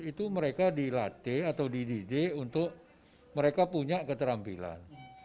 itu mereka dilatih atau dididik untuk mereka punya keterampilan